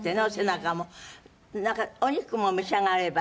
なんかお肉も召し上がれば。